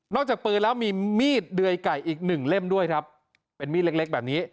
นอกจากปืนแล้วมีมีดเดวยไก่อีก๑เล่มด้วยครับเป็นมีดเล็กแบบนี้